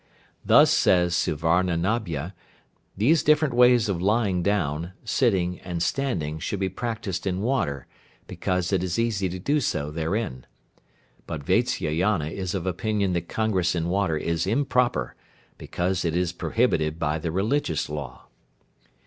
Thus says Suvarnanabha, these different ways of lying down, sitting, and standing should be practised in water, because it is easy to do so therein. But Vatsyayana is of opinion that congress in water is improper, because it is prohibited by the religious law.